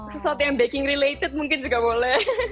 sesuatu yang baking related mungkin juga boleh